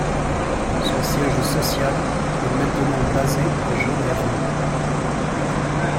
Son siège social est maintenant basé à Genève.